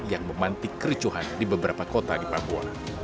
yang memantik kericuhan di beberapa kota di papua